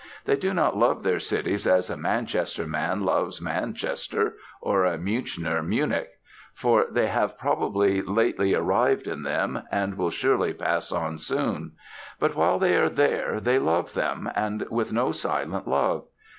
They do not love their cities as a Manchester man loves Manchester or a Münchener Munich, for they have probably lately arrived in them, and will surely pass on soon. But while they are there they love them, and with no silent love.